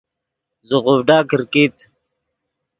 زیغوڤڈا کرکیت